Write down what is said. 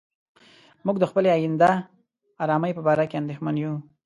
موږ د خپلې آینده آرامۍ په باره کې اندېښمن یو.